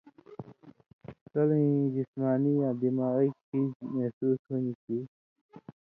کلَیں جسمانی یا دماغی کھیژ محسوس ہُوݩدیۡ کھیں